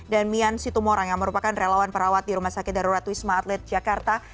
mian situmorang yang merupakan relawan perawat di rumah sakit darurat wisma atlet jakarta